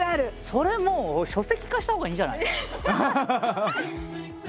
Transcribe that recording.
それもう書籍化したほうがいいんじゃない？